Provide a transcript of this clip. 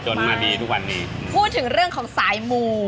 มาดีทุกวันนี้พูดถึงเรื่องของสายมู